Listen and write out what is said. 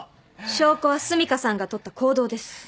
証拠は澄香さんがとった行動です。